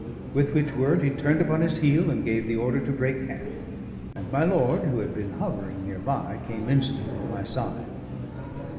With which word he turned upon his heel and gave the order to break camp; and my lord, who had been hovering near by, came instantly to my side.